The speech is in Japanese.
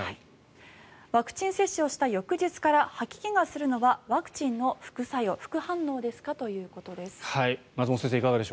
ワクチン接種をした翌日から吐き気がするのはワクチンの副反応ですか？ということです。